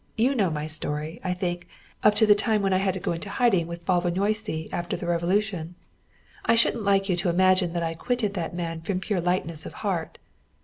You know my story, I think, up to the time when I had to go into hiding with Bálványossi after the Revolution. I shouldn't like you to imagine that I quitted that man from pure lightness of heart.